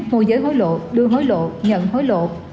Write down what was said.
môi giới hối lộ đưa hối lộ nhận hối lộ